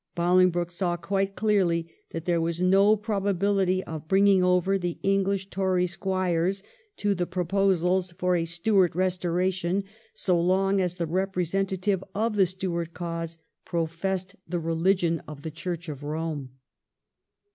Bolingbroke saw quite clearly that there was no probabihty of bring ing over the English Tory squires to the proposals for a Stuart restoration, so long as the representative of the Stuart cause professed the religion of the Church of Eome.